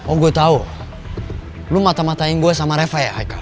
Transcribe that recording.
oh gue tau lo mata matain gue sama reva ya hai kal